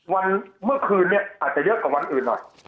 เมื่อคืนนี้อาจจะเยอะกว่าวันอื่นหน่อย